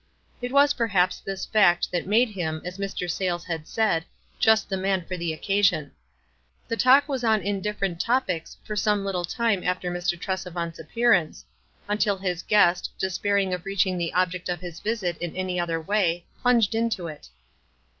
It was perhaps this fact that made him, as Mr. Sayles had said, just the man for the occasion. The talk was on indiffer ent topics for some little time after Mr. Trese vant's appearance, until his guest, despairing of reaching the object of his visit in any other way, plunged into it.